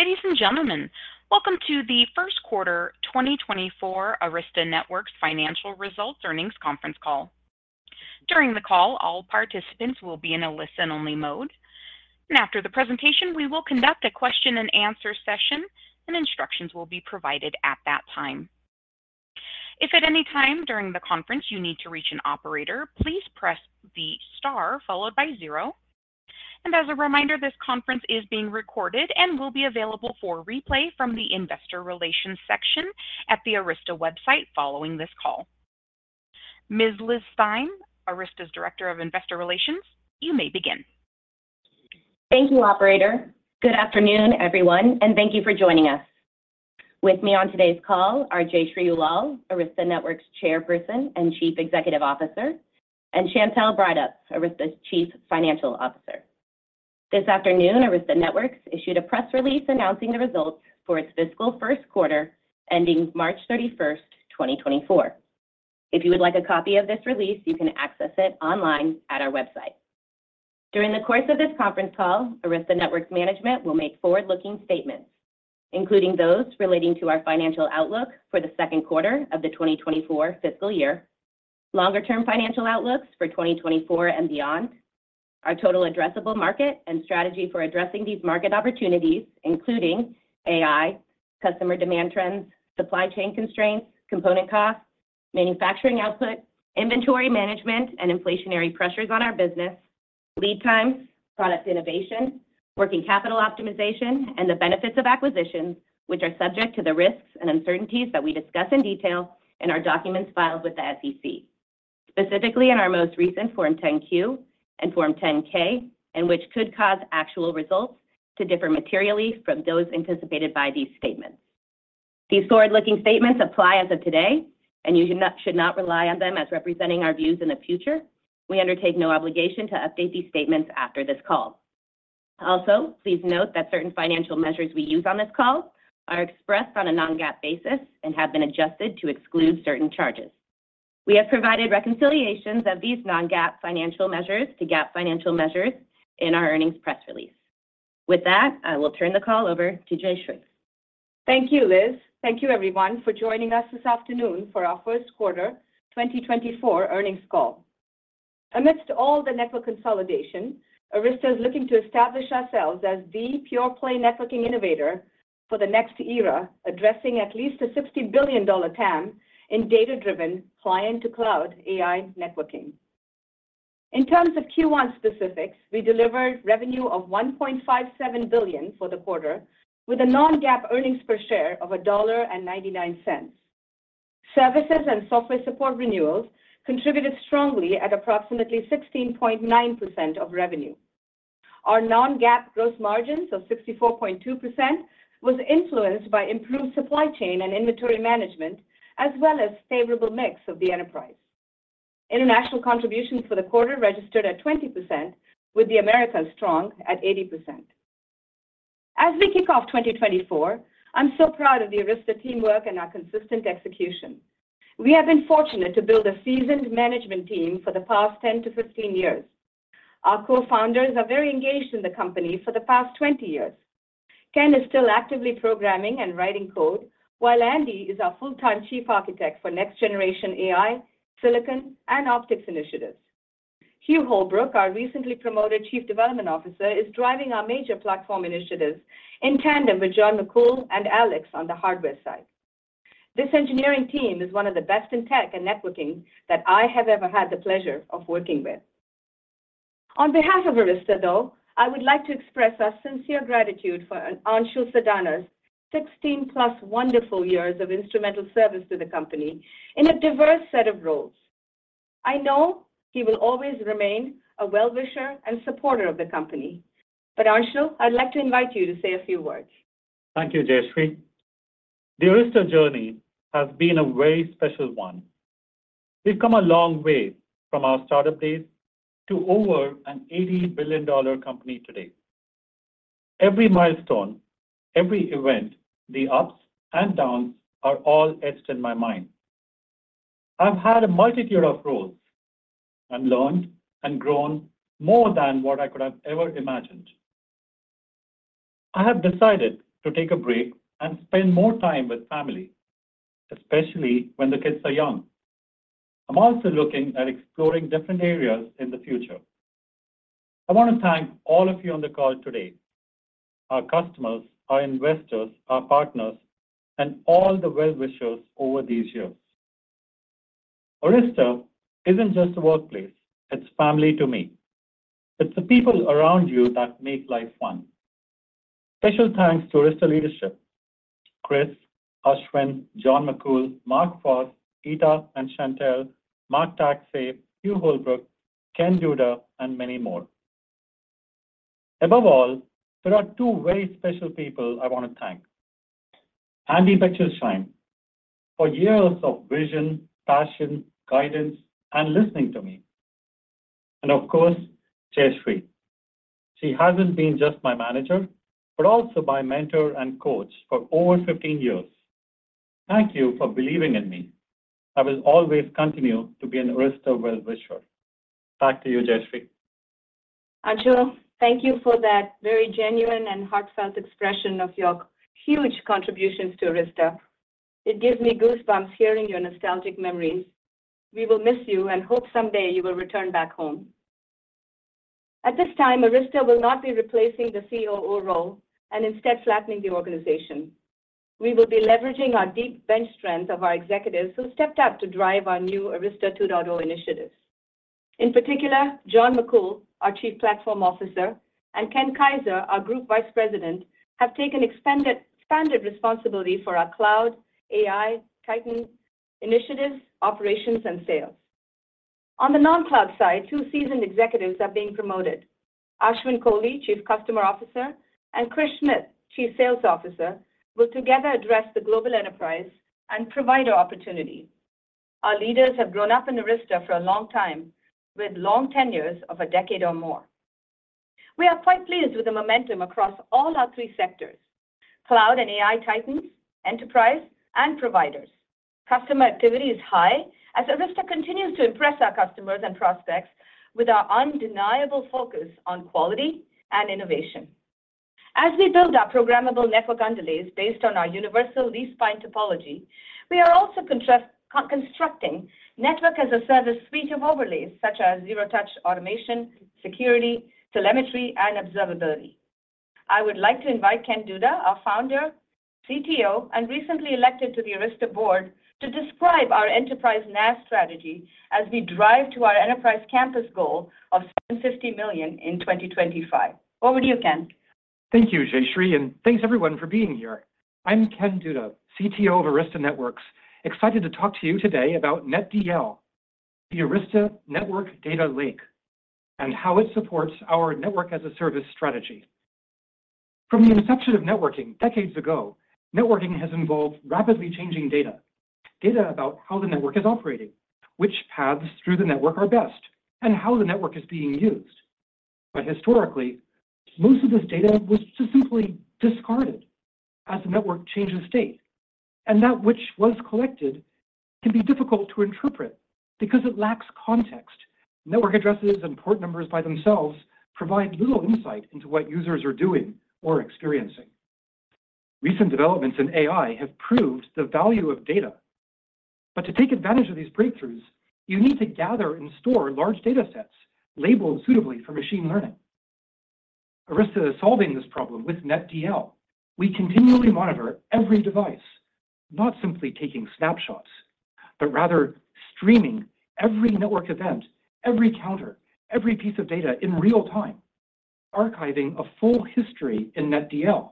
Ladies and gentlemen, welcome to the first quarter 2024 Arista Networks Financial Results Earnings Conference Call. During the call, all participants will be in a listen-only mode, and after the presentation we will conduct a question-and-answer session and instructions will be provided at that time. If at any time during the conference you need to reach an operator, please press the star followed by 0. As a reminder, this conference is being recorded and will be available for replay from the Investor Relations section at the Arista website following this call. Ms. Liz Stine, Arista's Director of Investor Relations, you may begin. Thank you, operator. Good afternoon, everyone, and thank you for joining us. With me on today's call are Jayshree Ullal, Arista Networks Chairperson and Chief Executive Officer, and Chantelle Breithaupt, Arista's Chief Financial Officer. This afternoon, Arista Networks issued a press release announcing the results for its fiscal first quarter ending March 31st, 2024. If you would like a copy of this release, you can access it online at our website. During the course of this conference call, Arista Networks management will make forward-looking statements, including those relating to our financial outlook for the second quarter of the 2024 fiscal year, longer-term financial outlooks for 2024 and beyond, our total addressable market and strategy for addressing these market opportunities, including AI, customer demand trends, supply chain constraints, component costs, manufacturing output, inventory management and inflationary pressures on our business, lead times, product innovation, working capital optimization, and the benefits of acquisitions, which are subject to the risks and uncertainties that we discuss in detail in our documents filed with the SEC, specifically in our most recent Form 10-Q and Form 10-K, and which could cause actual results to differ materially from those anticipated by these statements. These forward-looking statements apply as of today, and you should not rely on them as representing our views in the future. We undertake no obligation to update these statements after this call. Also, please note that certain financial measures we use on this call are expressed on a non-GAAP basis and have been adjusted to exclude certain charges. We have provided reconciliations of these non-GAAP financial measures to GAAP financial measures in our earnings press release. With that, I will turn the call over to Jayshree. Thank you, Liz. Thank you, everyone, for joining us this afternoon for our first quarter 2024 earnings call. Amidst all the network consolidation, Arista is looking to establish ourselves as the pure-play networking innovator for the next era, addressing at least a $60 billion TAM in data-driven client-to-cloud AI networking. In terms of Q1 specifics, we delivered revenue of $1.57 billion for the quarter, with a non-GAAP earnings per share of $1.99. Services and software support renewals contributed strongly at approximately 16.9% of revenue. Our non-GAAP gross margins of 64.2% were influenced by improved supply chain and inventory management, as well as a favorable mix of the enterprise. International contributions for the quarter registered at 20%, with the Americas strong at 80%. As we kick off 2024, I'm so proud of the Arista teamwork and our consistent execution. We have been fortunate to build a seasoned management team for the past 10-15 years. Our co-founders are very engaged in the company for the past 20 years. Ken is still actively programming and writing code, while Andy is our full-time Chief Architect for next-generation AI, silicon, and optics initiatives. Hugh Holbrook, our recently promoted Chief Development Officer, is driving our major platform initiatives in tandem with John McCool and Alex on the hardware side. This engineering team is one of the best in tech and networking that I have ever had the pleasure of working with. On behalf of Arista, though, I would like to express our sincere gratitude for Anshul Sadana's 16+ wonderful years of instrumental service to the company in a diverse set of roles. I know he will always remain a well-wisher and supporter of the company, but Anshul, I'd like to invite you to say a few words. Thank you, Jayshree. The Arista journey has been a very special one. We've come a long way from our startup days to over an $80 billion company today. Every milestone, every event, the ups and downs, are all etched in my mind. I've had a multitude of roles and learned and grown more than what I could have ever imagined. I have decided to take a break and spend more time with family, especially when the kids are young. I'm also looking at exploring different areas in the future. I want to thank all of you on the call today, our customers, our investors, our partners, and all the well-wishers over these years. Arista isn't just a workplace; it's family to me. It's the people around you that make life fun. Special thanks to Arista leadership: Chris, Ashwin, John McCool, Mark Foss, Ita, and Chantelle, Mark Foss, Markc Taxay, Hugh Holbrook, Kenneth Duda, and many more. Above all, there are two very special people I want to thank: Andy Bechtolsheim, for years of vision, passion, guidance, and listening to me. And of course, Jayshree. She hasn't been just my manager, but also my mentor and coach for over 15 years. Thank you for believing in me. I will always continue to be an Arista well-wisher. Back to you, Jayshree. Anshul, thank you for that very genuine and heartfelt expression of your huge contributions to Arista. It gives me goosebumps hearing your nostalgic memories. We will miss you and hope someday you will return back home. At this time, Arista will not be replacing the COO role and instead flattening the organization. We will be leveraging our deep bench strength of our executives who stepped out to drive our new Arista 2.0 initiatives. In particular, John McCool, our Chief Platform Officer, and Ken Kaiser, our Group Vice President, have taken expanded responsibility for our cloud, AI, Titan initiatives, operations, and sales. On the non-cloud side, two seasoned executives are being promoted: Ashwin Kohli, Chief Customer Officer, and Chris Smith, Chief Sales Officer, will together address the global enterprise and provider opportunity. Our leaders have grown up in Arista for a long time, with long tenures of a decade or more. We are quite pleased with the momentum across all our three sectors: cloud and AI titans, enterprise, and providers. Customer activity is high as Arista continues to impress our customers and prospects with our undeniable focus on quality and innovation. As we build our programmable network underlays based on our universal leaf-spine topology, we are also constructing network-as-a-service suite of overlays such as zero-touch automation, security, telemetry, and observability. I would like to invite Ken Duda, our founder, CTO, and recently elected to the Arista board, to describe our enterprise NAS strategy as we drive to our enterprise campus goal of $750 million in 2025. Over to you, Ken. Thank you, Jayshree, and thanks, everyone, for being here. I'm Ken Duda, CTO of Arista Networks, excited to talk to you today about NetDL, the Arista Networks Data Lake, and how it supports our network-as-a-service strategy. From the inception of networking decades ago, networking has involved rapidly changing data, data about how the network is operating, which paths through the network are best, and how the network is being used. But historically, most of this data was just simply discarded as the network changed state, and that which was collected can be difficult to interpret because it lacks context. Network addresses and port numbers by themselves provide little insight into what users are doing or experiencing. Recent developments in AI have proved the value of data, but to take advantage of these breakthroughs, you need to gather and store large datasets labeled suitably for machine learning. Arista is solving this problem with NetDL. We continually monitor every device, not simply taking snapshots, but rather streaming every network event, every counter, every piece of data in real time, archiving a full history in NetDL.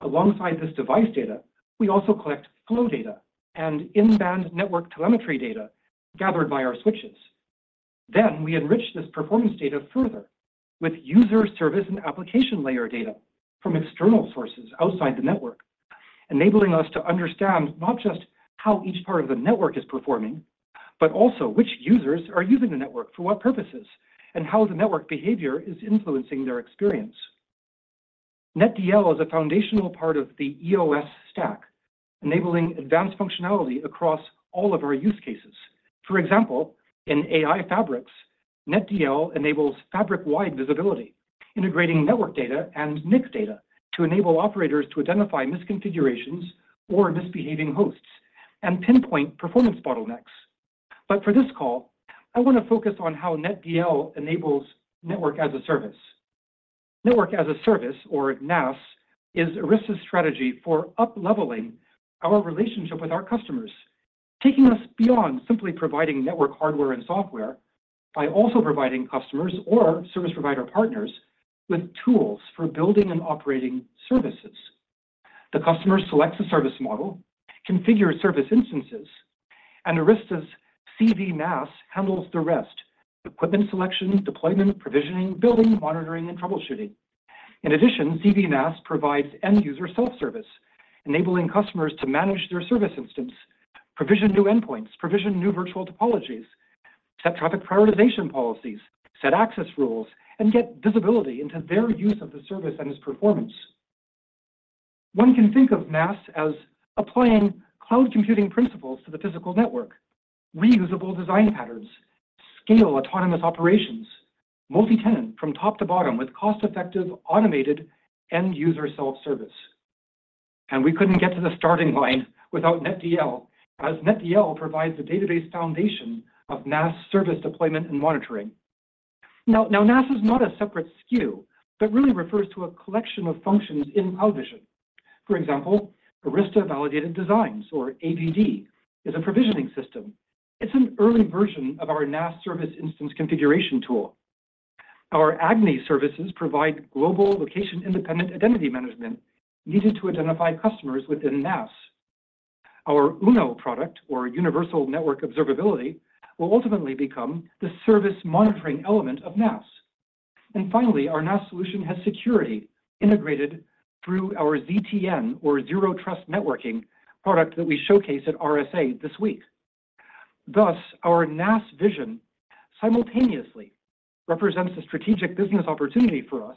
Alongside this device data, we also collect flow data and in-band network telemetry data gathered by our switches. Then we enrich this performance data further with user service and application layer data from external sources outside the network, enabling us to understand not just how each part of the network is performing, but also which users are using the network for what purposes and how the network behavior is influencing their experience. NetDL is a foundational part of the EOS stack, enabling advanced functionality across all of our use cases. For example, in AI fabrics, NetDL enables fabric-wide visibility, integrating network data and NIC data to enable operators to identify misconfigurations or misbehaving hosts and pinpoint performance bottlenecks. But for this call, I want to focus on how NetDL enables network-as-a-service. Network-as-a-service, or NAS, is Arista's strategy for up-leveling our relationship with our customers, taking us beyond simply providing network hardware and software by also providing customers or service provider partners with tools for building and operating services. The customer selects a service model, configures service instances, and Arista's CV NAS handles the rest: equipment selection, deployment, provisioning, building, monitoring, and troubleshooting. In addition, CV NAS provides end-user self-service, enabling customers to manage their service instance, provision new endpoints, provision new virtual topologies, set traffic prioritization policies, set access rules, and get visibility into their use of the service and its performance. One can think of NAS as applying cloud computing principles to the physical network: reusable design patterns, scale autonomous operations, multi-tenant from top to bottom with cost-effective, automated end-user self-service. And we couldn't get to the starting line without NetDL, as NetDL provides the database foundation of NAS service deployment and monitoring. Now, NAS is not a separate SKU but really refers to a collection of functions in CloudVision. For example, Arista Validated Designs, or AVD, is a provisioning system. It's an early version of our NAS service instance configuration tool. Our AGNI services provide global location-independent identity management needed to identify customers within NAS. Our UNO product, or Universal Network Observability, will ultimately become the service monitoring element of NAS. And finally, our NAS solution has security integrated through our ZTN, or Zero Trust Networking, product that we showcase at RSA this week. Thus, our NAS vision simultaneously represents a strategic business opportunity for us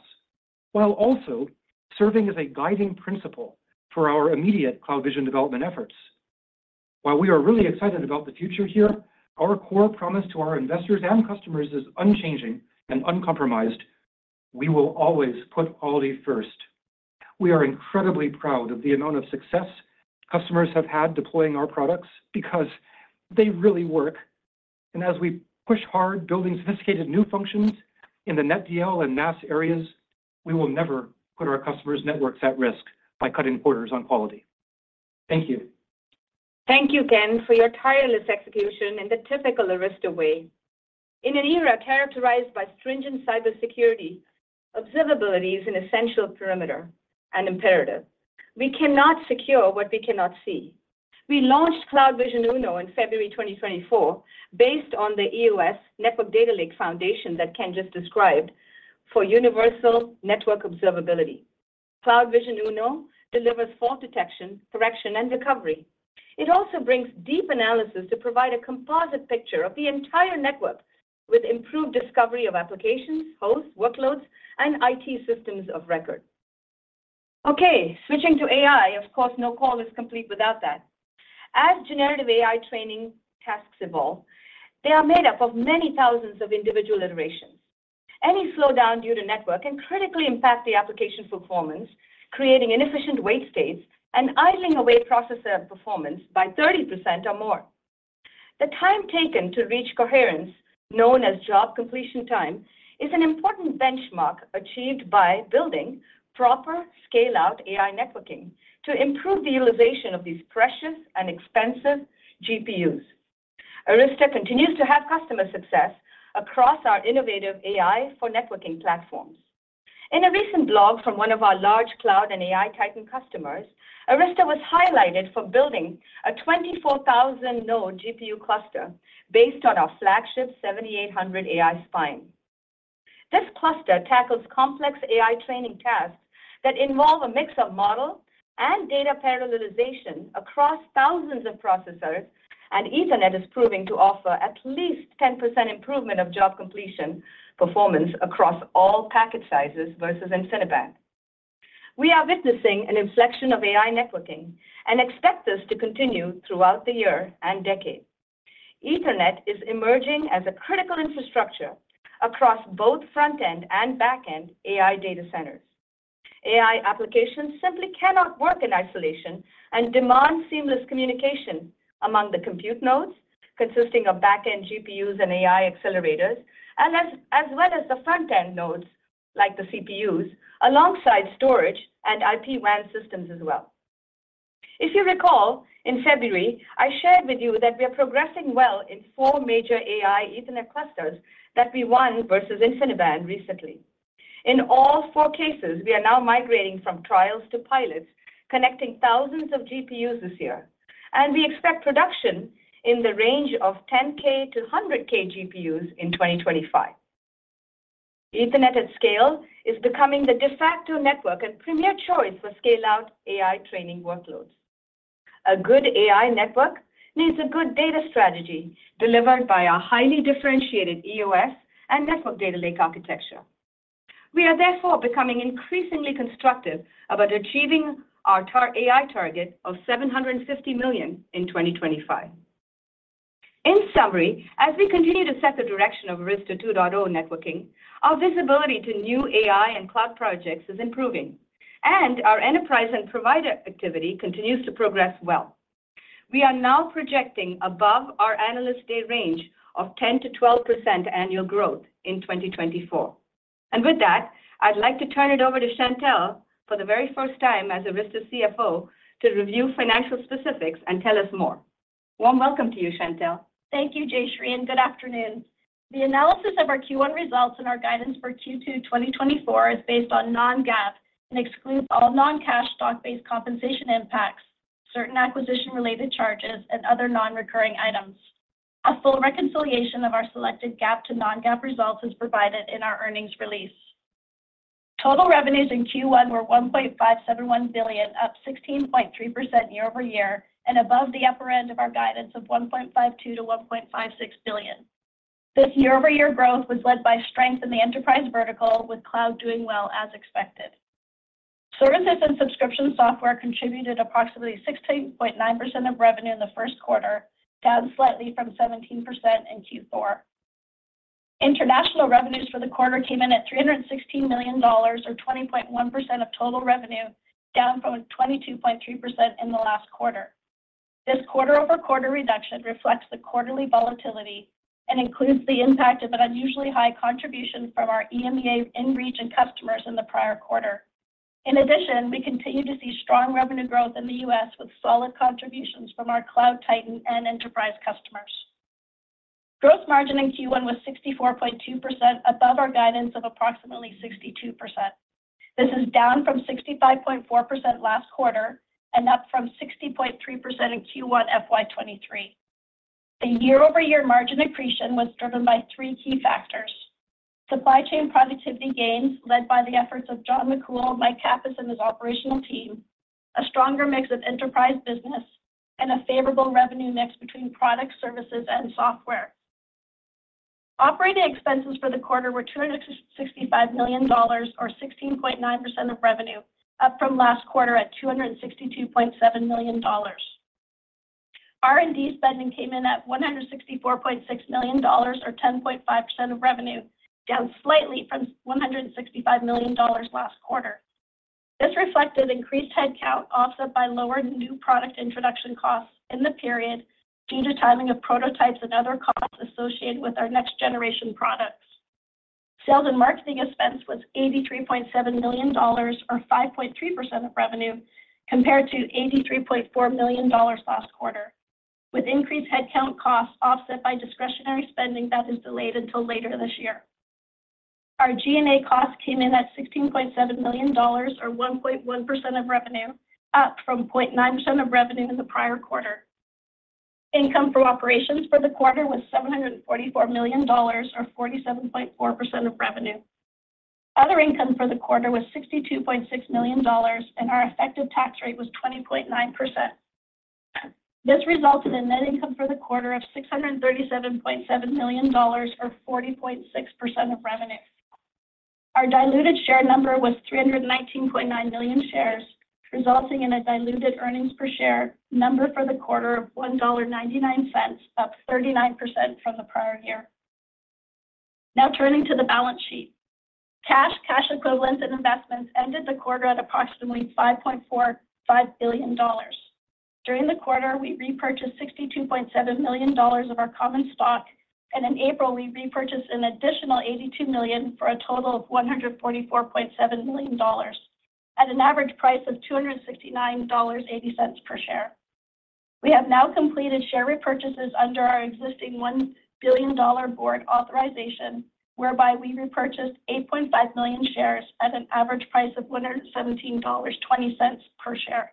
while also serving as a guiding principle for our immediate CloudVision development efforts. While we are really excited about the future here, our core promise to our investors and customers is unchanging and uncompromised: we will always put quality first. We are incredibly proud of the amount of success customers have had deploying our products because they really work. And as we push hard building sophisticated new functions in the NetDL and NAS areas, we will never put our customers' networks at risk by cutting quarters on quality. Thank you. Thank you, Ken, for your tireless execution in the typical Arista way. In an era characterized by stringent cybersecurity, observability is an essential perimeter and imperative. We cannot secure what we cannot see. We launched CloudVision UNO in February 2024 based on the EOS Network Data Lake foundation that Ken just described for universal network observability. CloudVision UNO delivers fault detection, correction, and recovery. It also brings deep analysis to provide a composite picture of the entire network, with improved discovery of applications, hosts, workloads, and IT systems of record. Okay, switching to AI, of course, no call is complete without that. As generative AI training tasks evolve, they are made up of many thousands of individual iterations. Any slowdown due to network can critically impact the application performance, creating inefficient wait states and idling away processor performance by 30% or more. The time taken to reach coherence, known as job completion time, is an important benchmark achieved by building proper scale-out AI networking to improve the utilization of these precious and expensive GPUs. Arista continues to have customer success across our innovative AI for networking platforms. In a recent blog from one of our large cloud and AI titan customers, Arista was highlighted for building a 24,000-node GPU cluster based on our flagship 7800 AI spine. This cluster tackles complex AI training tasks that involve a mix of model and data parallelization across thousands of processors, and Ethernet is proving to offer at least 10% improvement of job completion performance across all packet sizes versus InfiniBand. We are witnessing an inflection of AI networking and expect this to continue throughout the year and decade. Ethernet is emerging as a critical infrastructure across both front-end and back-end AI data centers. AI applications simply cannot work in isolation and demand seamless communication among the compute nodes, consisting of back-end GPUs and AI accelerators, as well as the front-end nodes, like the CPUs, alongside storage and IP WAN systems as well. If you recall, in February, I shared with you that we are progressing well in four major AI Ethernet clusters that we won versus InfiniBand recently. In all four cases, we are now migrating from trials to pilots, connecting thousands of GPUs this year, and we expect production in the range of 10K-100K GPUs in 2025. Ethernet at scale is becoming the de facto network and premier choice for scale-out AI training workloads. A good AI network needs a good data strategy delivered by our highly differentiated EOS and Network Data Lake architecture. We are therefore becoming increasingly constructive about achieving our AI target of $750 million in 2025. In summary, as we continue to set the direction of Arista 2.0 networking, our visibility to new AI and cloud projects is improving, and our enterprise and provider activity continues to progress well. We are now projecting above our analyst day range of 10%-12% annual growth in 2024. And with that, I'd like to turn it over to Chantelle for the very first time as Arista's CFO to review financial specifics and tell us more. Warm welcome to you, Chantelle. Thank you, Jayshree, and good afternoon. The analysis of our Q1 results and our guidance for Q2 2024 is based on non-GAAP and excludes all non-cash stock-based compensation impacts, certain acquisition-related charges, and other non-recurring items. A full reconciliation of our selected GAAP to non-GAAP results is provided in our earnings release. Total revenues in Q1 were $1.571 billion, up 16.3% year-over-year and above the upper end of our guidance of $1.52-$1.56 billion. This year-over-year growth was led by strength in the enterprise vertical, with cloud doing well as expected. Services and subscription software contributed approximately 16.9% of revenue in the first quarter, down slightly from 17% in Q4. International revenues for the quarter came in at $316 million, or 20.1% of total revenue, down from 22.3% in the last quarter. This quarter-over-quarter reduction reflects the quarterly volatility and includes the impact of an unusually high contribution from our EMEA in-reach and customers in the prior quarter. In addition, we continue to see strong revenue growth in the U.S. with solid contributions from our cloud titan and enterprise customers. Gross margin in Q1 was 64.2%, above our guidance of approximately 62%. This is down from 65.4% last quarter and up from 60.3% in Q1 FY23. The year-over-year margin accretion was driven by three key factors: supply chain productivity gains led by the efforts of John McCool, Mike Kappas, and his operational team, a stronger mix of enterprise business, and a favorable revenue mix between products, services, and software. Operating expenses for the quarter were $265 million, or 16.9% of revenue, up from last quarter at $262.7 million. R&D spending came in at $164.6 million, or 10.5% of revenue, down slightly from $165 million last quarter. This reflected increased headcount offset by lower new product introduction costs in the period due to timing of prototypes and other costs associated with our next-generation products. Sales and marketing expense was $83.7 million, or 5.3% of revenue, compared to $83.4 million last quarter, with increased headcount costs offset by discretionary spending that is delayed until later this year. Our G&A costs came in at $16.7 million, or 1.1% of revenue, up from 0.9% of revenue in the prior quarter. Income from operations for the quarter was $744 million, or 47.4% of revenue. Other income for the quarter was $62.6 million, and our effective tax rate was 20.9%. This resulted in net income for the quarter of $637.7 million, or 40.6% of revenue. Our diluted share number was 319.9 million shares, resulting in a diluted earnings per share number for the quarter of $1.99, up 39% from the prior year. Now turning to the balance sheet. Cash, cash equivalents, and investments ended the quarter at approximately $5.45 billion. During the quarter, we repurchased $62.7 million of our common stock, and in April, we repurchased an additional $82 million for a total of $144.7 million at an average price of $269.80 per share. We have now completed share repurchases under our existing $1 billion board authorization, whereby we repurchased 8.5 million shares at an average price of $117.20 per share.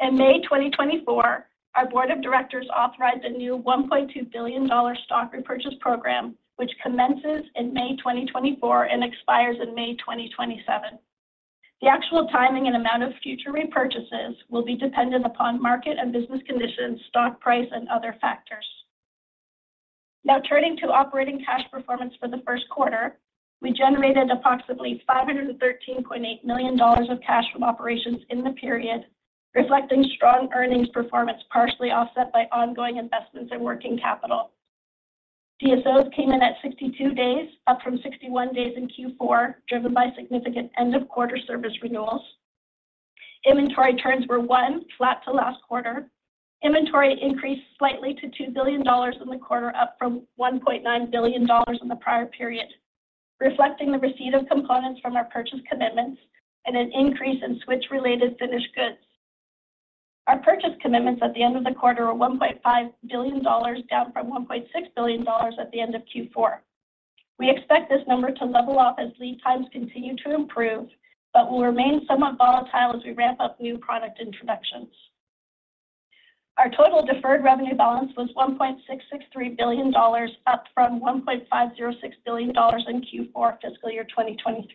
In May 2024, our board of directors authorized a new $1.2 billion stock repurchase program, which commences in May 2024 and expires in May 2027. The actual timing and amount of future repurchases will be dependent upon market and business conditions, stock price, and other factors. Now turning to operating cash performance for the first quarter, we generated approximately $513.8 million of cash from operations in the period, reflecting strong earnings performance partially offset by ongoing investments and working capital. DSOs came in at 62 days, up from 61 days in Q4, driven by significant end-of-quarter service renewals. Inventory turns were one, flat to last quarter. Inventory increased slightly to $2 billion in the quarter, up from $1.9 billion in the prior period, reflecting the receipt of components from our purchase commitments and an increase in switch-related finished goods. Our purchase commitments at the end of the quarter were $1.5 billion, down from $1.6 billion at the end of Q4. We expect this number to level off as lead times continue to improve but will remain somewhat volatile as we ramp up new product introductions. Our total deferred revenue balance was $1.663 billion, up from $1.506 billion in Q4 fiscal year 2023.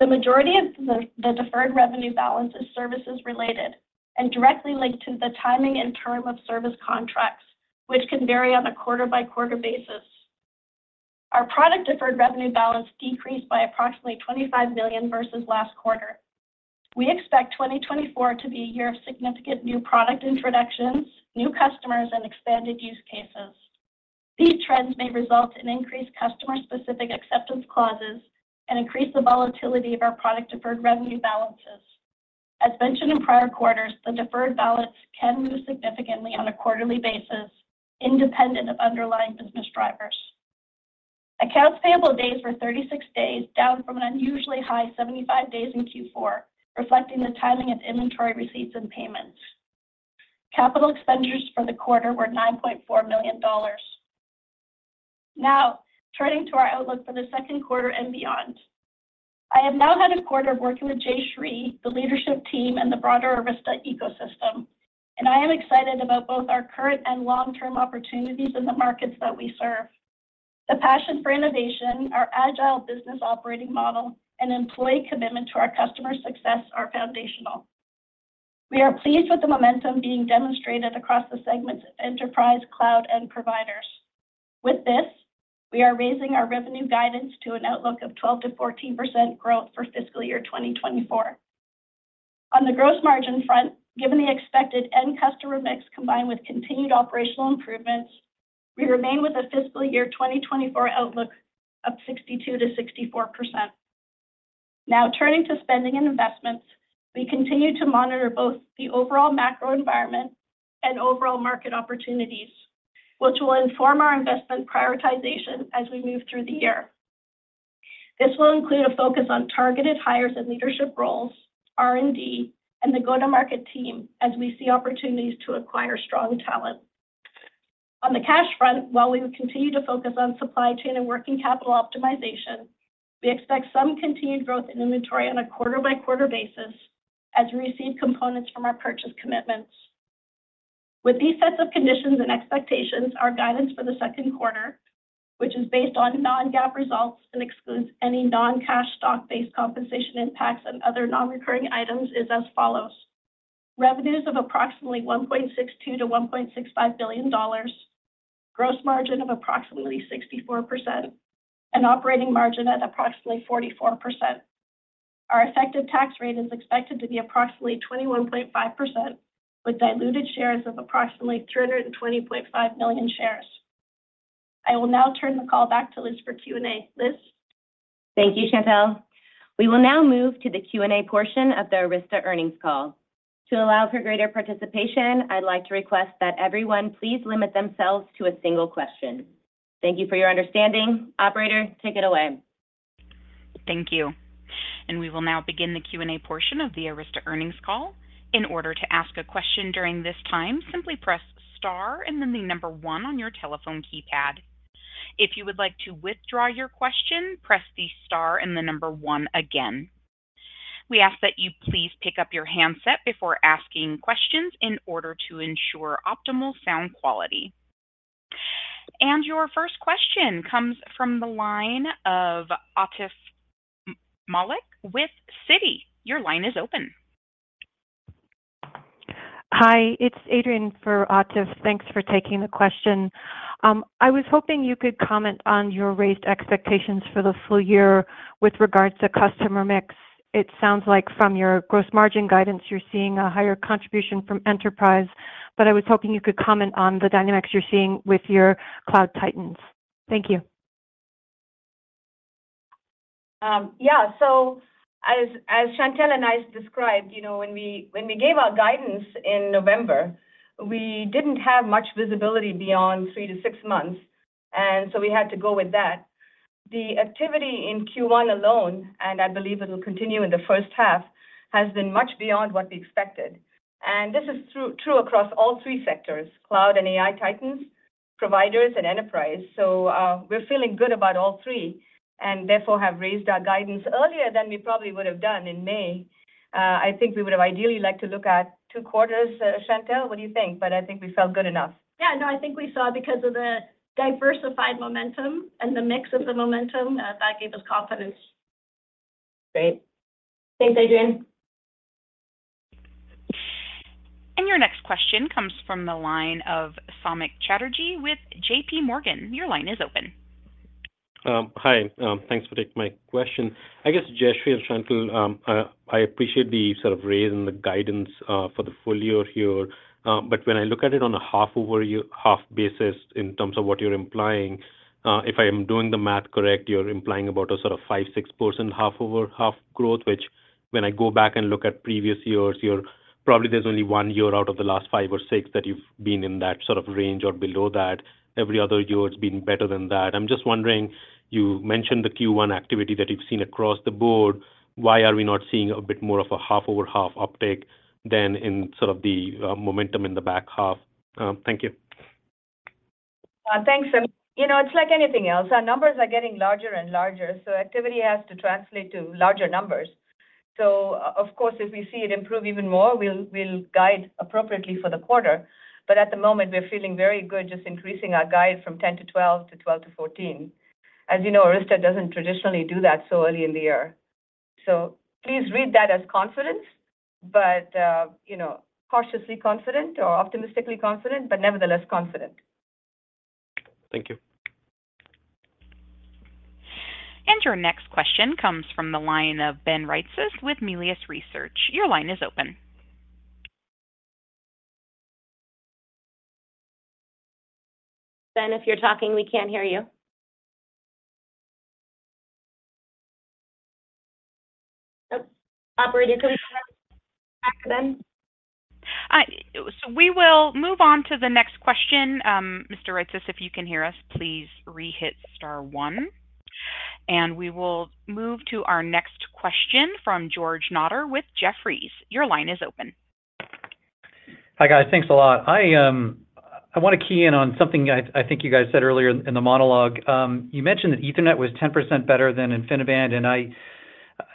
The majority of the deferred revenue balance is services-related and directly linked to the timing and term of service contracts, which can vary on a quarter-by-quarter basis. Our product deferred revenue balance decreased by approximately $25 million versus last quarter. We expect 2024 to be a year of significant new product introductions, new customers, and expanded use cases. These trends may result in increased customer-specific acceptance clauses and increase the volatility of our product deferred revenue balances. As mentioned in prior quarters, the deferred balance can move significantly on a quarterly basis, independent of underlying business drivers. Accounts payable days were 36 days, down from an unusually high 75 days in Q4, reflecting the timing of inventory receipts and payments. Capital expenditures for the quarter were $9.4 million. Now turning to our outlook for the second quarter and beyond. I have now had a quarter working with Jayshree, the leadership team, and the broader Arista ecosystem, and I am excited about both our current and long-term opportunities in the markets that we serve. The passion for innovation, our agile business operating model, and employee commitment to our customer success are foundational. We are pleased with the momentum being demonstrated across the segments of enterprise, cloud, and providers. With this, we are raising our revenue guidance to an outlook of 12%-14% growth for fiscal year 2024. On the gross margin front, given the expected end customer mix combined with continued operational improvements, we remain with a fiscal year 2024 outlook of 62%-64%. Now turning to spending and investments, we continue to monitor both the overall macro environment and overall market opportunities, which will inform our investment prioritization as we move through the year. This will include a focus on targeted hires and leadership roles, R&D, and the go-to-market team as we see opportunities to acquire strong talent. On the cash front, while we continue to focus on supply chain and working capital optimization, we expect some continued growth in inventory on a quarter-by-quarter basis as we receive components from our purchase commitments. With these sets of conditions and expectations, our guidance for the second quarter, which is based on non-GAAP results and excludes any non-cash stock-based compensation impacts and other non-recurring items, is as follows: revenues of approximately $1.62-$1.65 billion, gross margin of approximately 64%, and operating margin at approximately 44%. Our effective tax rate is expected to be approximately 21.5% with diluted shares of approximately 320.5 million shares. I will now turn the call back to Liz for Q&A. Liz? Thank you, Chantelle. We will now move to the Q&A portion of the Arista earnings call. To allow for greater participation, I'd like to request that everyone please limit themselves to a single question. Thank you for your understanding. Operator, take it away. Thank you. We will now begin the Q&A portion of the Arista earnings call. In order to ask a question during this time, simply press star and then the number 1 on your telephone keypad. If you would like to withdraw your question, press the star and the number 1 again. We ask that you please pick up your handset before asking questions in order to ensure optimal sound quality. Your first question comes from the line of Atif Malik with Citi. Your line is open. Hi, it's Adrian for Atif. Thanks for taking the question. I was hoping you could comment on your raised expectations for the full year with regards to customer mix. It sounds like from your gross margin guidance, you're seeing a higher contribution from enterprise, but I was hoping you could comment on the dynamics you're seeing with your cloud titans. Thank you. Yeah. So as Chantelle and I described, when we gave our guidance in November, we didn't have much visibility beyond 3-6 months, and so we had to go with that. The activity in Q1 alone, and I believe it'll continue in the first half, has been much beyond what we expected. And this is true across all three sectors: cloud and AI titans, providers, and enterprise. So we're feeling good about all three and therefore have raised our guidance earlier than we probably would have done in May. I think we would have ideally liked to look at 2 quarters, Chantelle. What do you think? But I think we felt good enough. Yeah. No, I think we saw, because of the diversified momentum and the mix of the momentum, that gave us confidence. Great. Thanks, Adrian. Your next question comes from the line of Samik Chatterjee with JP Morgan. Your line is open. Hi. Thanks for taking my question. I guess, Jayshree and Chantelle, I appreciate the sort of raise and the guidance for the full year here, but when I look at it on a half-over-half basis in terms of what you're implying, if I am doing the math correct, you're implying about a sort of 5%-6% half-over-half growth, which when I go back and look at previous years, probably there's only one year out of the last five or six that you've been in that sort of range or below that. Every other year, it's been better than that. I'm just wondering, you mentioned the Q1 activity that you've seen across the board. Why are we not seeing a bit more of a half-over-half uptake than in sort of the momentum in the back half? Thank you. Thanks. It's like anything else. Our numbers are getting larger and larger, so activity has to translate to larger numbers. Of course, if we see it improve even more, we'll guide appropriately for the quarter. At the moment, we're feeling very good just increasing our guide from 10 to 12 to 12 to 14. As you know, Arista doesn't traditionally do that so early in the year. Please read that as confidence, but cautiously confident or optimistically confident, but nevertheless confident. Thank you. Your next question comes from the line of Ben Reitzes with Melius Research. Your line is open. Ben, if you're talking, we can't hear you. Nope. Operator, can we go back to Ben? We will move on to the next question. Mr. Reitzes, if you can hear us, please re-hit star 1. We will move to our next question from George Notter with Jefferies. Your line is open. Hi, guys. Thanks a lot. I want to key in on something I think you guys said earlier in the monologue. You mentioned that Ethernet was 10% better than InfiniBand,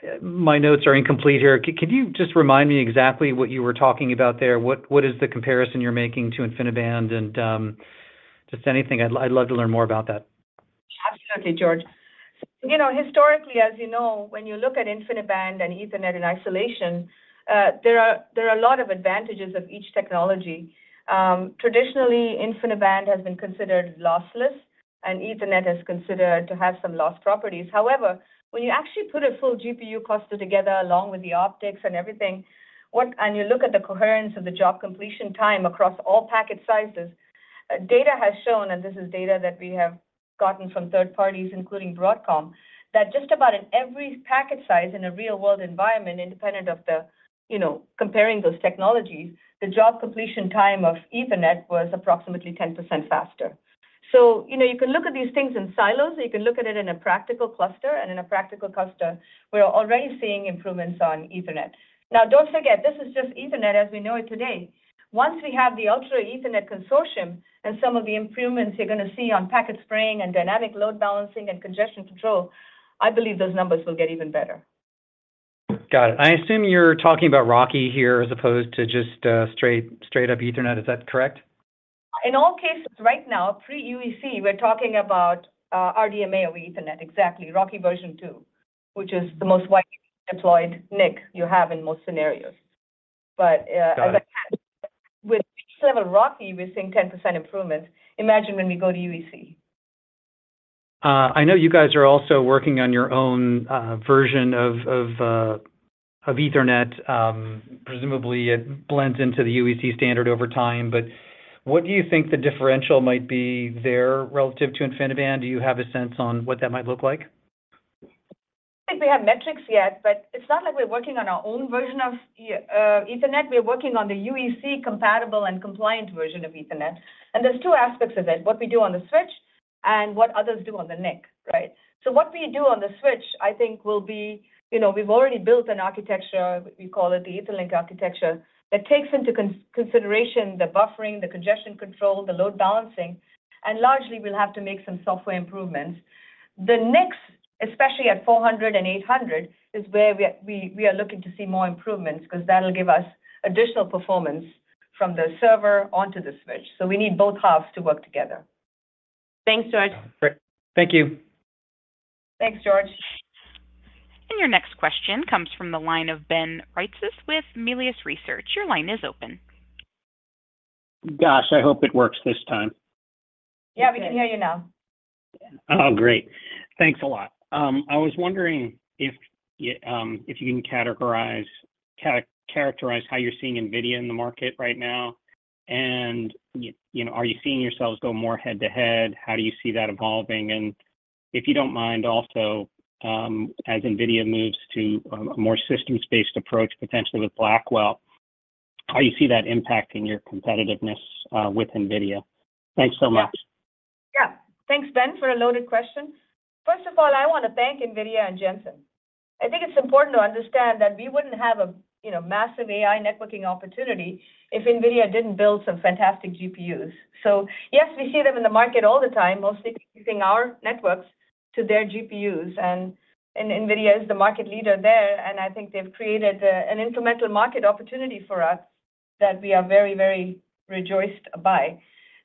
and my notes are incomplete here. Can you just remind me exactly what you were talking about there? What is the comparison you're making to InfiniBand and just anything? I'd love to learn more about that. Absolutely, George. Historically, as you know, when you look at InfiniBand and Ethernet in isolation, there are a lot of advantages of each technology. Traditionally, InfiniBand has been considered lossless, and Ethernet is considered to have some loss properties. However, when you actually put a full GPU cluster together along with the optics and everything, and you look at the coherence of the job completion time across all packet sizes, data has shown, and this is data that we have gotten from third parties, including Broadcom, that just about in every packet size in a real-world environment, independent of comparing those technologies, the job completion time of Ethernet was approximately 10% faster. So you can look at these things in silos. You can look at it in a practical cluster, and in a practical cluster, we're already seeing improvements on Ethernet. Now, don't forget, this is just Ethernet as we know it today. Once we have the Ultra Ethernet Consortium and some of the improvements you're going to see on packet spraying and dynamic load balancing and congestion control, I believe those numbers will get even better. Got it. I assume you're talking about Rocky here as opposed to just straight-up Ethernet. Is that correct? In all cases, right now, pre-UEC, we're talking about RDMA over Ethernet, exactly, Rocky version 2, which is the most widely deployed NIC you have in most scenarios. But as I said, with this level of Rocky, we're seeing 10% improvements. Imagine when we go to UEC. I know you guys are also working on your own version of Ethernet. Presumably, it blends into the UEC standard over time. But what do you think the differential might be there relative to InfiniBand? Do you have a sense on what that might look like? I don't think we have metrics yet, but it's not like we're working on our own version of Ethernet. We're working on the UEC-compatible and compliant version of Ethernet. And there's two aspects of it: what we do on the switch and what others do on the NIC, right? So what we do on the switch, I think, will be we've already built an architecture. We call it the Ethernet architecture that takes into consideration the buffering, the congestion control, the load balancing. And largely, we'll have to make some software improvements. The NICs, especially at 400 and 800, is where we are looking to see more improvements because that'll give us additional performance from the server onto the switch. So we need both halves to work together. Thanks, George. Great. Thank you. Thanks, George. Your next question comes from the line of Ben Reitzes with Melius Research. Your line is open. Gosh, I hope it works this time. Yeah, we can hear you now. Oh, great. Thanks a lot. I was wondering if you can categorize how you're seeing NVIDIA in the market right now. Are you seeing yourselves go more head-to-head? How do you see that evolving? If you don't mind, also, as NVIDIA moves to a more systems-based approach, potentially with Blackwell, how do you see that impacting your competitiveness with NVIDIA? Thanks so much. Yeah. Thanks, Ben, for a loaded question. First of all, I want to thank NVIDIA and Jensen. I think it's important to understand that we wouldn't have a massive AI networking opportunity if NVIDIA didn't build some fantastic GPUs. So yes, we see them in the market all the time, mostly using our networks to their GPUs. And NVIDIA is the market leader there, and I think they've created an incremental market opportunity for us that we are very, very rejoiced by.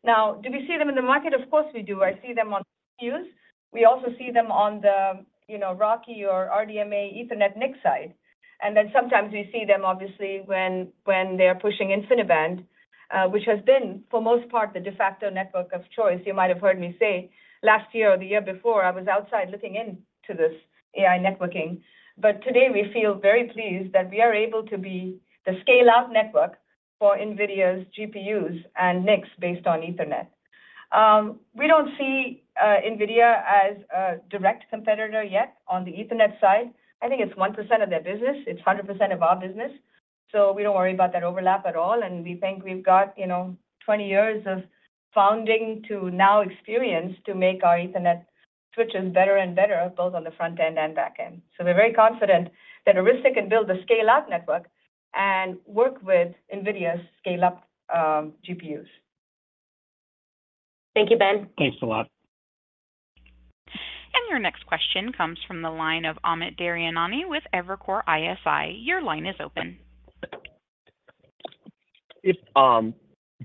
Now, do we see them in the market? Of course, we do. I see them on the GPUs. We also see them on the RoCE or RDMA Ethernet NIC side. And then sometimes we see them, obviously, when they are pushing InfiniBand, which has been, for most part, the de facto network of choice. You might have heard me say last year or the year before, I was outside looking into this AI networking. But today, we feel very pleased that we are able to be the scale-out network for NVIDIA's GPUs and NICs based on Ethernet. We don't see NVIDIA as a direct competitor yet on the Ethernet side. I think it's 1% of their business. It's 100% of our business. So we don't worry about that overlap at all. And we think we've got 20 years of founding to now experience to make our Ethernet switches better and better, both on the front end and back end. So we're very confident that Arista can build the scale-out network and work with NVIDIA's scale-up GPUs. Thank you, Ben. Thanks a lot. Your next question comes from the line of Amit Daryanani with Evercore ISI. Your line is open.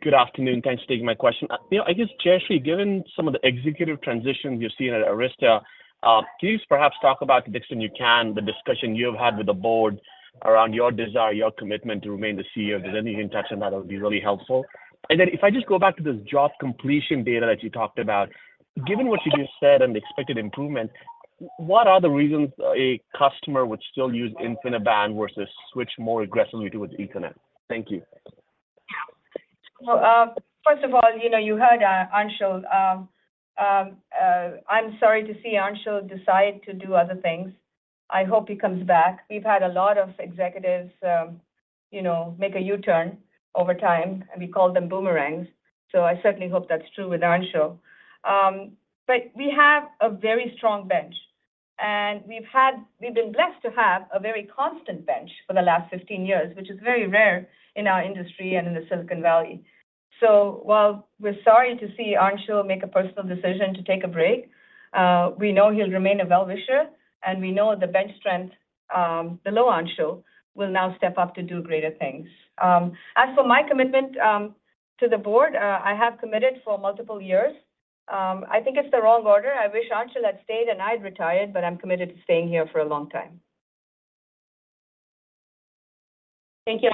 Good afternoon. Thanks for taking my question. I guess, Jayshree, given some of the executive transitions you're seeing at Arista, can you perhaps talk about the extent you can, the discussion you have had with the board around your desire, your commitment to remain the CEO? If there's anything you can touch on that, it would be really helpful. And then if I just go back to this job completion data that you talked about, given what you just said and the expected improvement, what are the reasons a customer would still use InfiniBand versus switch more aggressively to Ethernet? Thank you. Yeah. So first of all, you heard Anshul. I'm sorry to see Anshul decide to do other things. I hope he comes back. We've had a lot of executives make a U-turn over time, and we call them boomerangs. So I certainly hope that's true with Anshul. But we have a very strong bench. We've been blessed to have a very constant bench for the last 15 years, which is very rare in our industry and in the Silicon Valley. So while we're sorry to see Anshul make a personal decision to take a break, we know he'll remain a well-wisher, and we know the bench strength below Anshul will now step up to do greater things. As for my commitment to the board, I have committed for multiple years. I think it's the wrong order. I wish Anshul had stayed and I'd retired, but I'm committed to staying here for a long time. Thank you.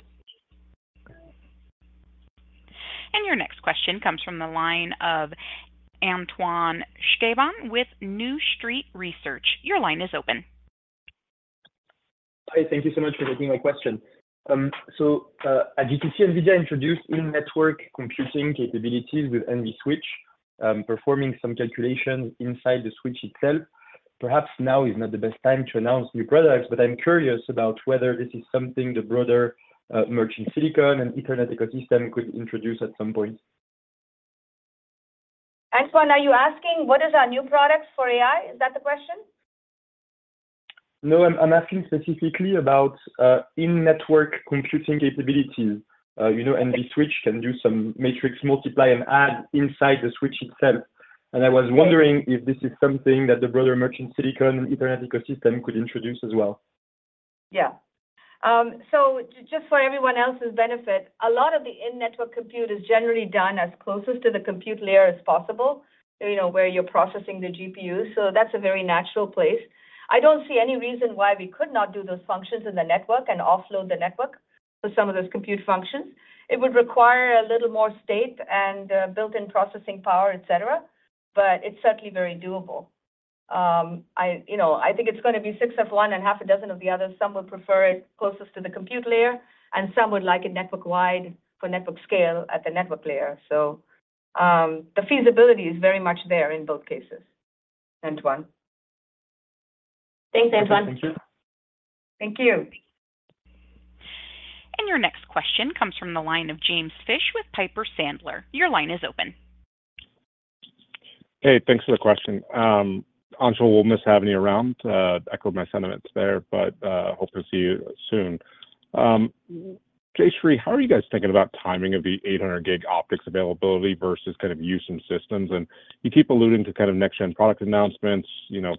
Your next question comes from the line of Antoine Chkaiban with New Street Research. Your line is open. Hi. Thank you so much for taking my question. As you can see, NVIDIA introduced in-network computing capabilities with NVSwitch, performing some calculations inside the switch itself. Perhaps now is not the best time to announce new products, but I'm curious about whether this is something the broader merchant silicon and Ethernet ecosystem could introduce at some point. Antoine, are you asking what are our new products for AI? Is that the question? No, I'm asking specifically about in-network computing capabilities. NVSwitch can do some matrix multiply and add inside the switch itself. I was wondering if this is something that the broader merchant silicon and Ethernet ecosystem could introduce as well? Yeah. So just for everyone else's benefit, a lot of the in-network compute is generally done as closest to the compute layer as possible where you're processing the GPU. So that's a very natural place. I don't see any reason why we could not do those functions in the network and offload the network for some of those compute functions. It would require a little more state and built-in processing power, etc. But it's certainly very doable. I think it's going to be six of one and half a dozen of the other. Some would prefer it closest to the compute layer, and some would like it network-wide for network scale at the network layer. So the feasibility is very much there in both cases, Antoine. Thanks, Antoine. Thank you. Thank you. Your next question comes from the line of James Fish with Piper Sandler. Your line is open. Hey, thanks for the question. Anshul will miss having you around. Echoed my sentiments there, but hope to see you soon. Jayshree, how are you guys thinking about timing of the 800-gig optics availability versus kind of use in systems? And you keep alluding to kind of next-gen product announcements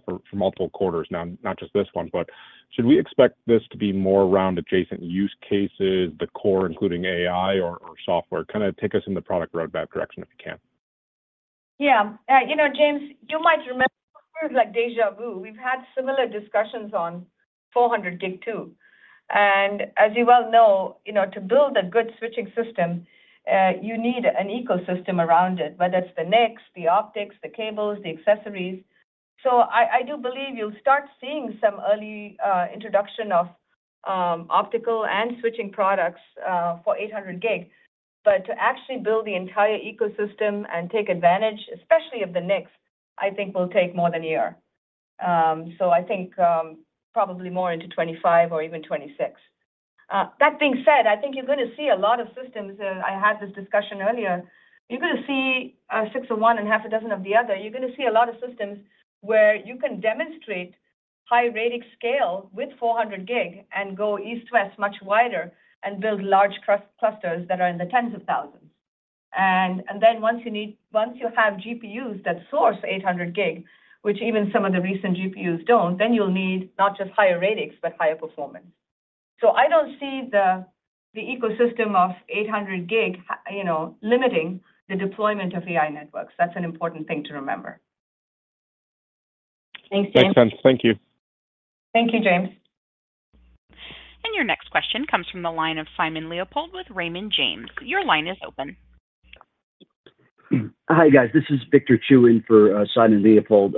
for multiple quarters now, not just this one. But should we expect this to be more around adjacent use cases, the core, including AI or software? Kind of take us in the product roadmap direction if you can. Yeah. James, you might remember we're like déjà vu. We've had similar discussions on 400-gig too. And as you well know, to build a good switching system, you need an ecosystem around it, whether it's the NICs, the optics, the cables, the accessories. So I do believe you'll start seeing some early introduction of optical and switching products for 800-gig. But to actually build the entire ecosystem and take advantage, especially of the NICs, I think will take more than a year. So I think probably more into 2025 or even 2026. That being said, I think you're going to see a lot of systems. I had this discussion earlier. You're going to see 6F1 and half a dozen of the other. You're going to see a lot of systems where you can demonstrate high-rated scale with 400-gig and go east-west much wider and build large clusters that are in the tens of thousands. Then once you have GPUs that source 800-gig, which even some of the recent GPUs don't, then you'll need not just higher ratings, but higher performance. I don't see the ecosystem of 800-gig limiting the deployment of AI networks. That's an important thing to remember. Thanks, James. Makes sense. Thank you. Thank you, James. Your next question comes from the line of Simon Leopold with Raymond James. Your line is open. Hi, guys. This is Victor Chiu for Simon Leopold.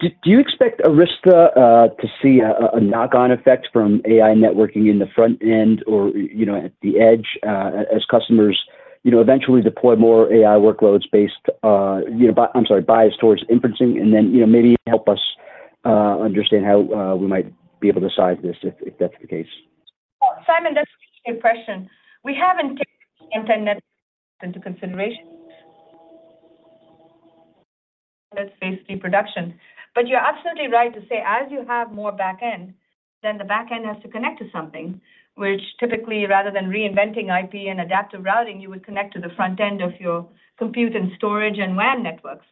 Do you expect Arista to see a knock-on effect from AI networking in the front end or at the edge as customers eventually deploy more AI workloads based I'm sorry, biased towards inferencing and then maybe help us understand how we might be able to size this if that's the case? Simon, that's a really good question. We haven't taken the front end into consideration. That's basically production. But you're absolutely right to say as you have more back end, then the back end has to connect to something, which typically, rather than reinventing IP and adaptive routing, you would connect to the front end of your compute and storage and WAN networks.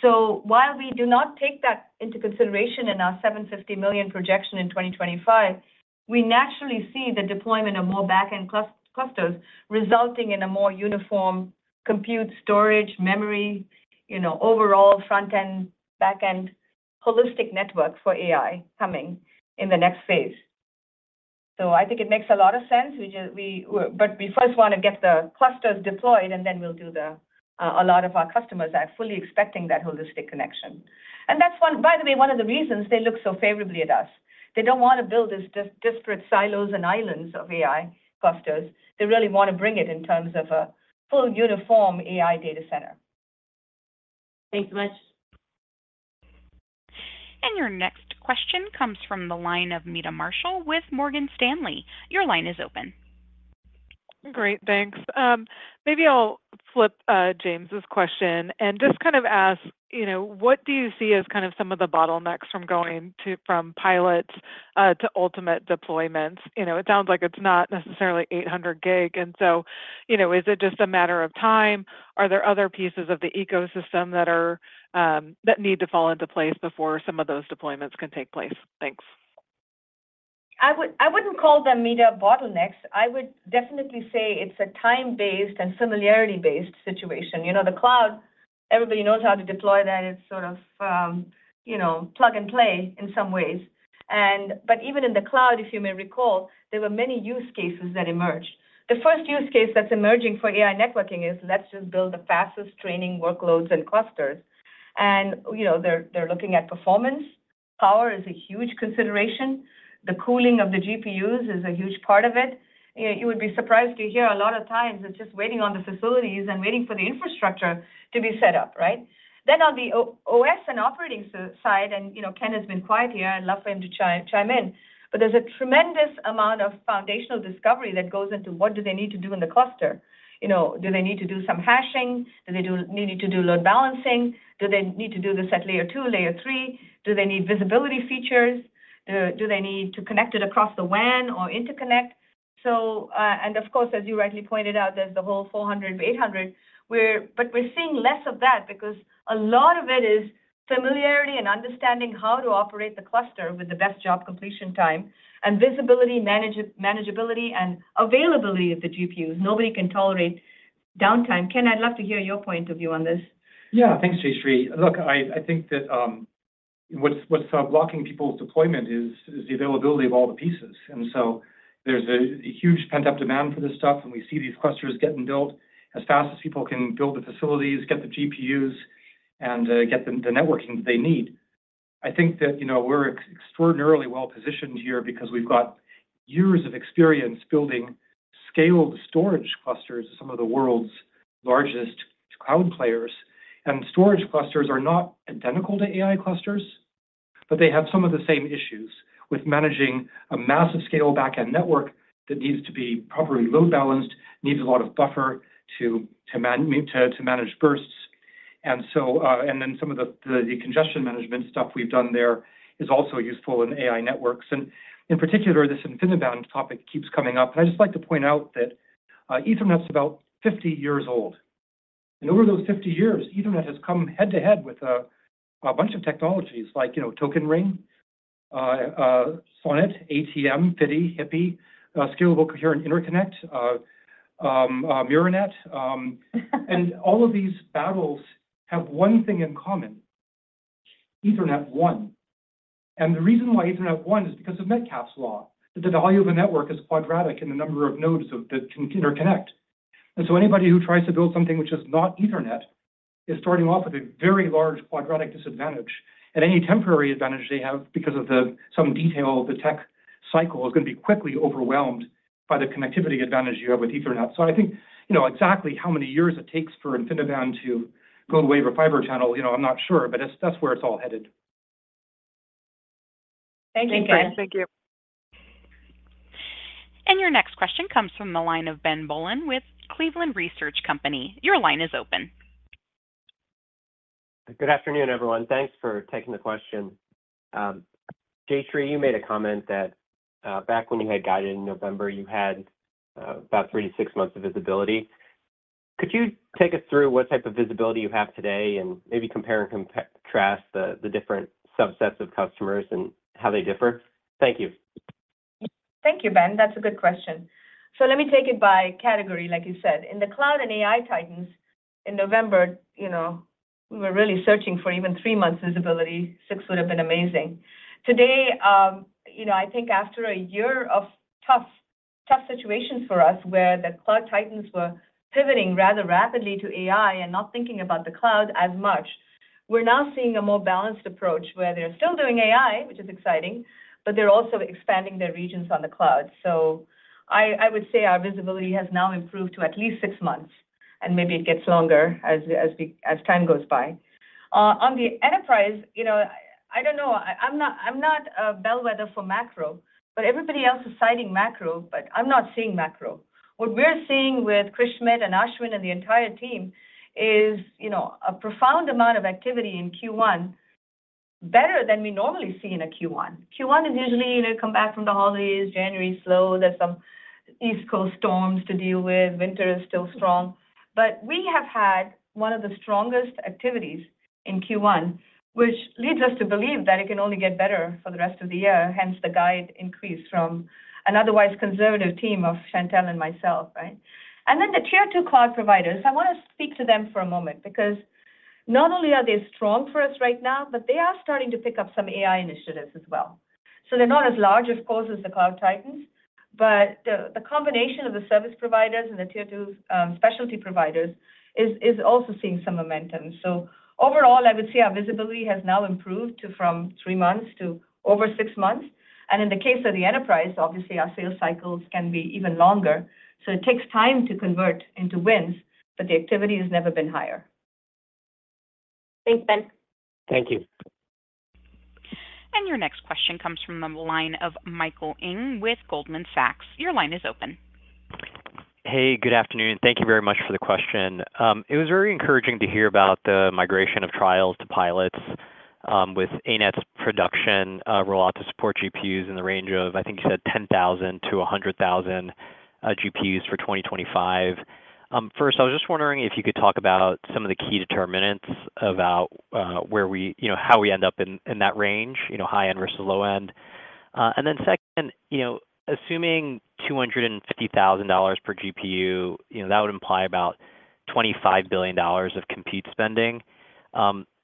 So while we do not take that into consideration in our $750 million projection in 2025, we naturally see the deployment of more back end clusters resulting in a more uniform compute, storage, memory, overall front end, back end, holistic network for AI coming in the next phase. So I think it makes a lot of sense. But we first want to get the clusters deployed, and then we'll do that. A lot of our customers are fully expecting that holistic connection. That's, by the way, one of the reasons they look so favorably at us. They don't want to build these disparate silos and islands of AI clusters. They really want to bring it in terms of a full uniform AI data center. Thanks so much. Your next question comes from the line of Meta Marshall with Morgan Stanley. Your line is open. Great. Thanks. Maybe I'll flip James's question and just kind of ask, what do you see as kind of some of the bottlenecks from pilots to ultimate deployments? It sounds like it's not necessarily 800-gig. And so is it just a matter of time? Are there other pieces of the ecosystem that need to fall into place before some of those deployments can take place? Thanks. I wouldn't call them Meta bottlenecks. I would definitely say it's a time-based and familiarity-based situation. The cloud, everybody knows how to deploy that. It's sort of plug and play in some ways. Even in the cloud, if you may recall, there were many use cases that emerged. The first use case that's emerging for AI networking is, "Let's just build the fastest training workloads and clusters." They're looking at performance. Power is a huge consideration. The cooling of the GPUs is a huge part of it. You would be surprised to hear a lot of times it's just waiting on the facilities and waiting for the infrastructure to be set up, right? On the OS and operating side and Ken has been quiet here. I'd love for him to chime in. But there's a tremendous amount of foundational discovery that goes into what do they need to do in the cluster? Do they need to do some hashing? Do they need to do load balancing? Do they need to do this at layer two, layer three? Do they need visibility features? Do they need to connect it across the WAN or interconnect? And of course, as you rightly pointed out, there's the whole 400-800. But we're seeing less of that because a lot of it is familiarity and understanding how to operate the cluster with the best job completion time and visibility, manageability, and availability of the GPUs. Nobody can tolerate downtime. Ken, I'd love to hear your point of view on this. Yeah. Thanks, Jayshree. Look, I think that what's blocking people's deployment is the availability of all the pieces. So there's a huge pent-up demand for this stuff. And we see these clusters getting built as fast as people can build the facilities, get the GPUs, and get the networking that they need. I think that we're extraordinarily well-positioned here because we've got years of experience building scaled storage clusters to some of the world's largest cloud players. And storage clusters are not identical to AI clusters, but they have some of the same issues with managing a massive-scale back end network that needs to be properly load balanced, needs a lot of buffer to manage bursts. And then some of the congestion management stuff we've done there is also useful in AI networks. And in particular, this InfiniBand topic keeps coming up. I just like to point out that Ethernet's about 50 years old. Over those 50 years, Ethernet has come head-to-head with a bunch of technologies like Token Ring, SONET, ATM, FDDI, HIPPI, Scalable Coherent Interconnect, Myrinet. All of these battles have one thing in common: Ethernet won. The reason why Ethernet won is because of Metcalfe's law, that the value of a network is quadratic in the number of nodes that can interconnect. So anybody who tries to build something which is not Ethernet is starting off with a very large quadratic disadvantage. Any temporary advantage they have because of some detail of the tech cycle is going to be quickly overwhelmed by the connectivity advantage you have with Ethernet. I think exactly how many years it takes for InfiniBand to go away from Fibre Channel, I'm not sure, but that's where it's all headed. Thank you, guys. Thank you. Your next question comes from the line of Ben Bollin with Cleveland Research Company. Your line is open. Good afternoon, everyone. Thanks for taking the question. Jayshree, you made a comment that back when you had guided in November, you had about 3-6 months of visibility. Could you take us through what type of visibility you have today and maybe compare and contrast the different subsets of customers and how they differ? Thank you. Thank you, Ben. That's a good question. So let me take it by category, like you said. In the cloud and AI titans, in November, we were really searching for even three months' visibility. Six would have been amazing. Today, I think after a year of tough situations for us where the cloud titans were pivoting rather rapidly to AI and not thinking about the cloud as much, we're now seeing a more balanced approach where they're still doing AI, which is exciting, but they're also expanding their regions on the cloud. So I would say our visibility has now improved to at least six months. And maybe it gets longer as time goes by. On the enterprise, I don't know. I'm not a bellwether for macro, but everybody else is citing macro, but I'm not seeing macro. What we're seeing with Krishmit and Ashwin and the entire team is a profound amount of activity in Q1, better than we normally see in a Q1. Q1 is usually come back from the holidays, January slow. There's some East Coast storms to deal with. Winter is still strong. But we have had one of the strongest activities in Q1, which leads us to believe that it can only get better for the rest of the year, hence the guide increase from an otherwise conservative team of Chantelle and myself, right? And then the tier two cloud providers, I want to speak to them for a moment because not only are they strong for us right now, but they are starting to pick up some AI initiatives as well. So they're not as large, of course, as the cloud titans, but the combination of the service providers and the tier two specialty providers is also seeing some momentum. So overall, I would say our visibility has now improved from three months to over six months. And in the case of the enterprise, obviously, our sales cycles can be even longer. So it takes time to convert into wins, but the activity has never been higher. Thanks, Ben. Thank you. Your next question comes from the line of Michael Ng with Goldman Sachs. Your line is open. Hey, good afternoon. Thank you very much for the question. It was very encouraging to hear about the migration of trials to pilots with ANET's production rollout to support GPUs in the range of, I think you said, 10,000-100,000 GPUs for 2025. First, I was just wondering if you could talk about some of the key determinants about how we end up in that range, high-end versus low-end. And then second, assuming $250,000 per GPU, that would imply about $25 billion of compute spending. ANET's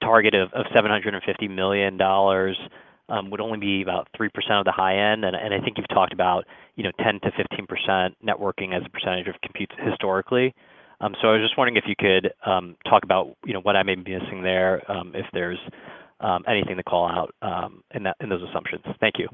target of $750 million would only be about 3% of the high end. And I think you've talked about 10%-15% networking as a percentage of compute historically. So I was just wondering if you could talk about what I may be missing there, if there's anything to call out in those assumptions. Thank you.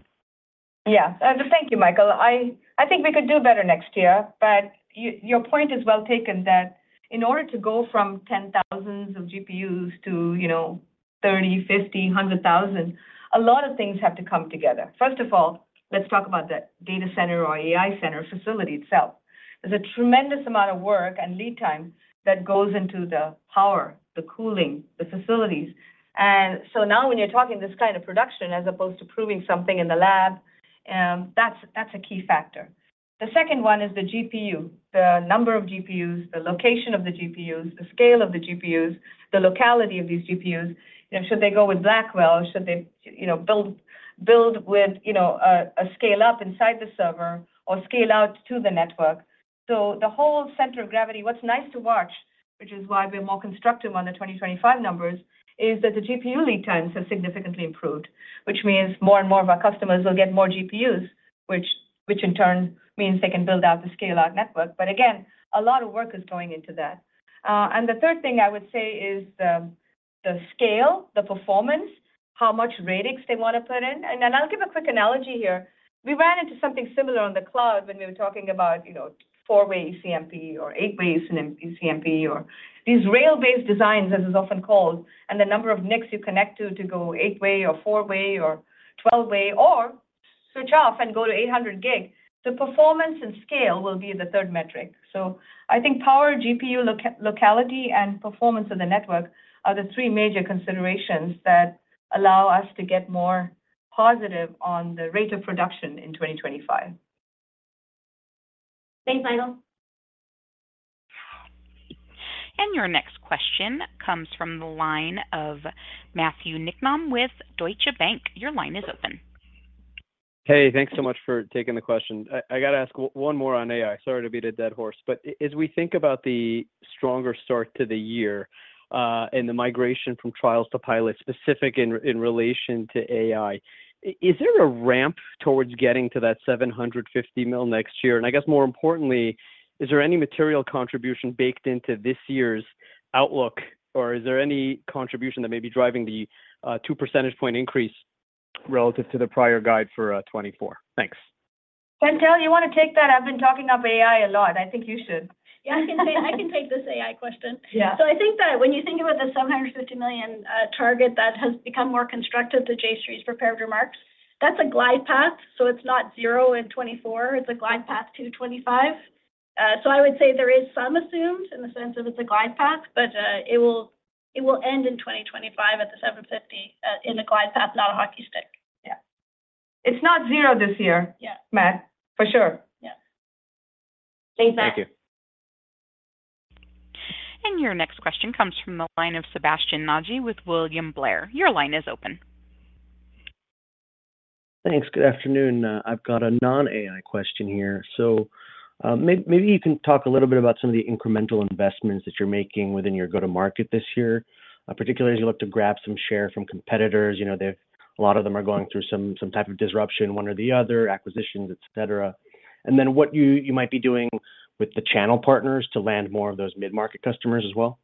Yeah. Thank you, Michael. I think we could do better next year. But your point is well taken that in order to go from 10,000s of GPUs to 30, 50, 100,000, a lot of things have to come together. First of all, let's talk about the data center or AI center facility itself. There's a tremendous amount of work and lead time that goes into the power, the cooling, the facilities. And so now when you're talking this kind of production as opposed to proving something in the lab, that's a key factor. The second one is the GPU, the number of GPUs, the location of the GPUs, the scale of the GPUs, the locality of these GPUs. Should they go with Blackwell? Should they build with a scale-up inside the server or scale out to the network? So the whole center of gravity, what's nice to watch, which is why we're more constructive on the 2025 numbers, is that the GPU lead times have significantly improved, which means more and more of our customers will get more GPUs, which in turn means they can build out the scale-out network. But again, a lot of work is going into that. And the third thing I would say is the scale, the performance, how much Radix they want to put in. And I'll give a quick analogy here. We ran into something similar on the cloud when we were talking about 4-way ECMP or 8-way ECMP or these rail-based designs, as is often called, and the number of NICs you connect to to go 8-way or 4-way or 12-way or switch off and go to 800 gig. The performance and scale will be the third metric. I think power, GPU locality, and performance of the network are the three major considerations that allow us to get more positive on the rate of production in 2025. Thanks, Michael. Your next question comes from the line of Matthew Niknam with Deutsche Bank. Your line is open. Hey, thanks so much for taking the question. I got to ask one more on AI. Sorry to beat a dead horse. But as we think about the stronger start to the year and the migration from trials to pilots specific in relation to AI, is there a ramp towards getting to that $750 million next year? And I guess, more importantly, is there any material contribution baked into this year's outlook, or is there any contribution that may be driving the 2 percentage point increase relative to the prior guide for 2024? Thanks. Chantelle, you want to take that? I've been talking about AI a lot. I think you should. Yeah, I can take this AI question. So I think that when you think about the $750 million target that has become more constructive, the Jayshree's prepared remarks, that's a glide path. So it's not 0 in 2024. It's a glide path to 2025. So I would say there is some assumed in the sense of it's a glide path, but it will end in 2025 at the $750 million in a glide path, not a hockey stick. Yeah. It's not 0 this year, Matt, for sure. Yeah. Thanks, Matt. Thank you. Your next question comes from the line of Sebastien Naji with William Blair. Your line is open. Thanks. Good afternoon. I've got a non-AI question here. So maybe you can talk a little bit about some of the incremental investments that you're making within your go-to-market this year, particularly as you look to grab some share from competitors. A lot of them are going through some type of disruption, one or the other, acquisitions, etc. And then what you might be doing with the channel partners to land more of those mid-market customers as well.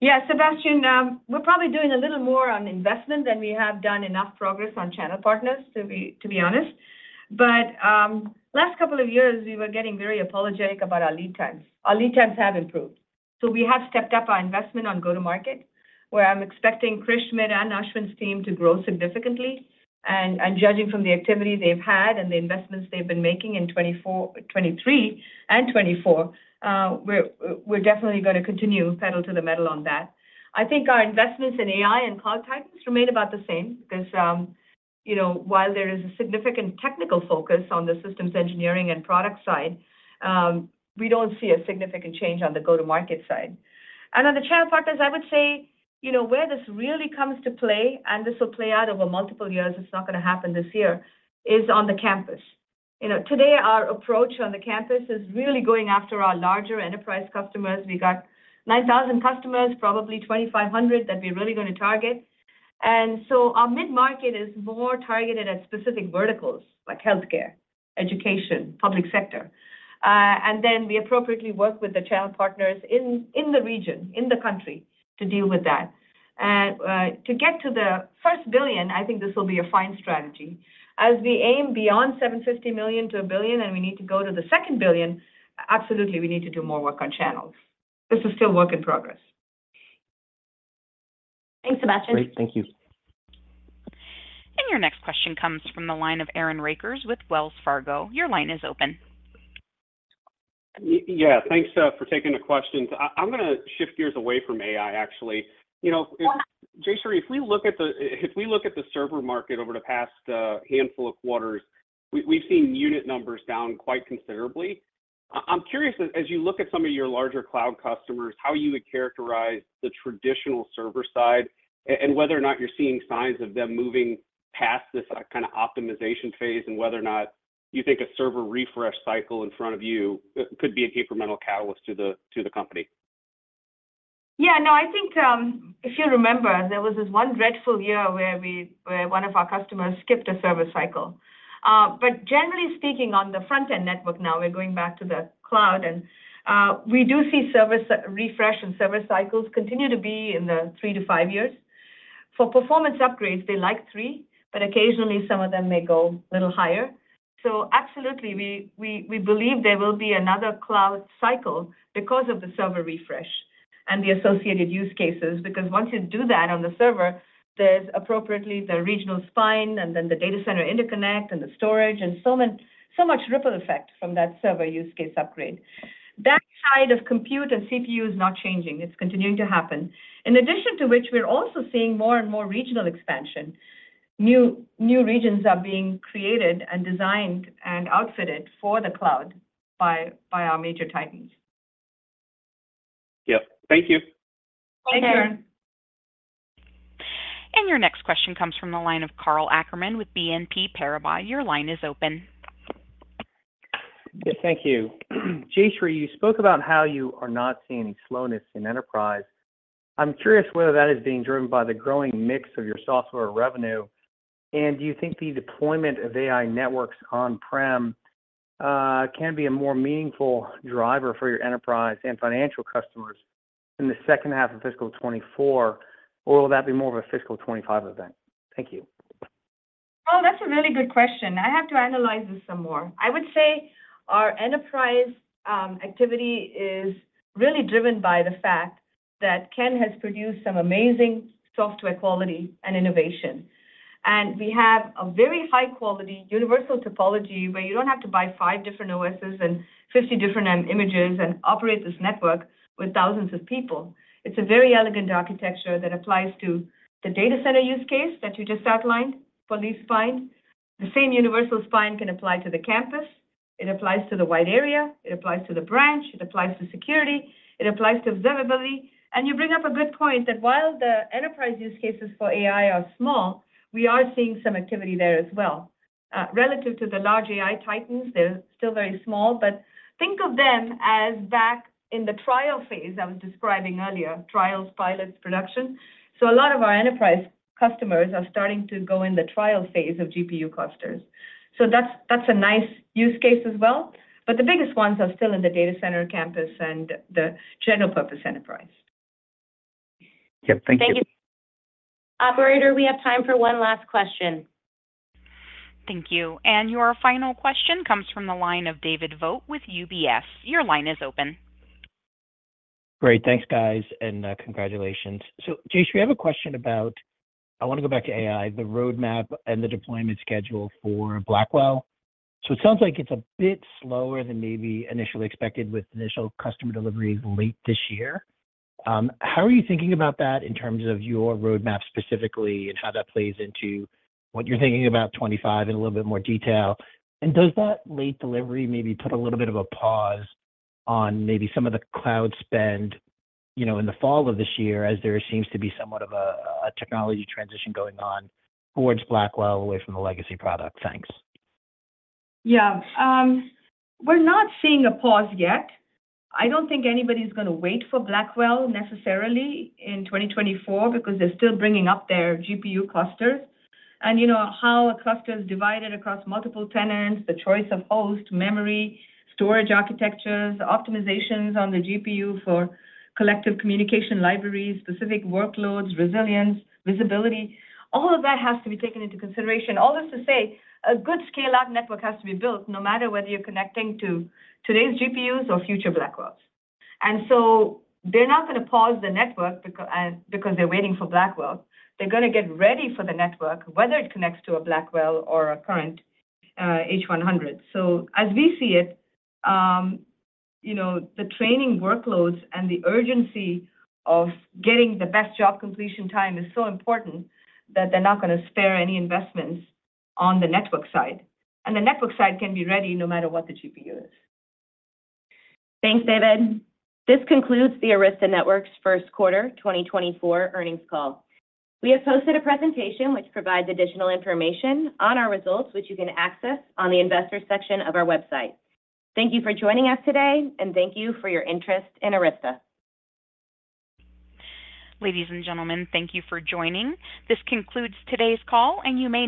Yeah, Sebastian, we're probably doing a little more on investment than we have done enough progress on channel partners, to be honest. But last couple of years, we were getting very apologetic about our lead times. Our lead times have improved. So we have stepped up our investment on go-to-market, where I'm expecting Krishmit and Ashwin's team to grow significantly. And judging from the activity they've had and the investments they've been making in 2023 and 2024, we're definitely going to continue pedal to the metal on that. I think our investments in AI and cloud titans remain about the same because while there is a significant technical focus on the systems engineering and product side, we don't see a significant change on the go-to-market side. And on the channel partners, I would say where this really comes to play - and this will play out over multiple years, it's not going to happen this year - is on the campus. Today, our approach on the campus is really going after our larger enterprise customers. We got 9,000 customers, probably 2,500 that we're really going to target. And so our mid-market is more targeted at specific verticals like healthcare, education, public sector. And then we appropriately work with the channel partners in the region, in the country to deal with that. And to get to the first $1 billion, I think this will be a fine strategy. As we aim beyond $750 million to $1 billion and we need to go to the second $1 billion, absolutely, we need to do more work on channels. This is still work in progress. Thanks, Sebastian. Great. Thank you. Your next question comes from the line of Aaron Rakers with Wells Fargo. Your line is open. Yeah, thanks for taking the questions. I'm going to shift gears away from AI, actually. Jayshree, if we look at the server market over the past handful of quarters, we've seen unit numbers down quite considerably. I'm curious, as you look at some of your larger cloud customers, how you would characterize the traditional server side and whether or not you're seeing signs of them moving past this kind of optimization phase and whether or not you think a server refresh cycle in front of you could be an incremental catalyst to the company. Yeah. No, I think if you remember, there was this one dreadful year where one of our customers skipped a server cycle. But generally speaking, on the front-end network now, we're going back to the cloud, and we do see server refresh and server cycles continue to be in the 3-5 years. For performance upgrades, they like 3, but occasionally, some of them may go a little higher. So absolutely, we believe there will be another cloud cycle because of the server refresh and the associated use cases because once you do that on the server, there's appropriately the regional spine and then the data center interconnect and the storage and so much ripple effect from that server use case upgrade. That side of compute and CPU is not changing. It's continuing to happen. In addition to which, we're also seeing more and more regional expansion. New regions are being created and designed and outfitted for the cloud by our major titans. Yep. Thank you. Thank you, Aaron. Your next question comes from the line of Karl Ackerman with BNP Paribas. Your line is open. Yeah, thank you. Jayshree, you spoke about how you are not seeing any slowness in enterprise. I'm curious whether that is being driven by the growing mix of your software revenue. Do you think the deployment of AI networks on-prem can be a more meaningful driver for your enterprise and financial customers in the second half of fiscal 2024, or will that be more of a fiscal 2025 event? Thank you. Oh, that's a really good question. I have to analyze this some more. I would say our enterprise activity is really driven by the fact that Ken has produced some amazing software quality and innovation. And we have a very high-quality universal topology where you don't have to buy five different OSs and 50 different images and operate this network with thousands of people. It's a very elegant architecture that applies to the data center use case that you just outlined, leaf spine. The same universal spine can apply to the campus. It applies to the wide area. It applies to the branch. It applies to security. It applies to observability. And you bring up a good point that while the enterprise use cases for AI are small, we are seeing some activity there as well. Relative to the large AI titans, they're still very small, but think of them as back in the trial phase I was describing earlier, trials, pilots, production. So a lot of our enterprise customers are starting to go in the trial phase of GPU clusters. So that's a nice use case as well. But the biggest ones are still in the data center campus and the general-purpose enterprise. Yep. Thank you. Thank you. Operator, we have time for one last question. Thank you. Your final question comes from the line of David Vogt with UBS. Your line is open. Great. Thanks, guys, and congratulations. So Jayshree, I have a question about I want to go back to AI, the roadmap and the deployment schedule for Blackwell. So it sounds like it's a bit slower than maybe initially expected with initial customer deliveries late this year. How are you thinking about that in terms of your roadmap specifically and how that plays into what you're thinking about 2025 in a little bit more detail? And does that late delivery maybe put a little bit of a pause on maybe some of the cloud spend in the fall of this year as there seems to be somewhat of a technology transition going on towards Blackwell away from the legacy product? Thanks. Yeah. We're not seeing a pause yet. I don't think anybody's going to wait for Blackwell necessarily in 2024 because they're still bringing up their GPU clusters. And how a cluster is divided across multiple tenants, the choice of host, memory, storage architectures, optimizations on the GPU for collective communication libraries, specific workloads, resilience, visibility, all of that has to be taken into consideration. All this to say, a good scale-out network has to be built no matter whether you're connecting to today's GPUs or future Blackwells. And so they're not going to pause the network because they're waiting for Blackwell. They're going to get ready for the network, whether it connects to a Blackwell or a current H100. As we see it, the training workloads and the urgency of getting the best job completion time is so important that they're not going to spare any investments on the network side. The network side can be ready no matter what the GPU is. Thanks, David. This concludes the Arista Networks first quarter 2024 earnings call. We have posted a presentation which provides additional information on our results, which you can access on the investor section of our website. Thank you for joining us today, and thank you for your interest in Arista. Ladies and gentlemen, thank you for joining. This concludes today's call, and you may.